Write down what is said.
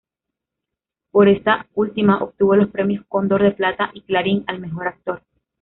Por esta última obtuvo los premios Cóndor de Plata y Clarín al "mejor actor".